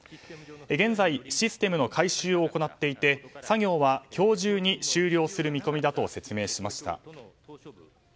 現在、システムの改修を行っていて作業は今日中に終了する見込みだと話しました。